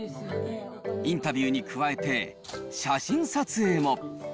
インタビューに加えて、写真撮影も。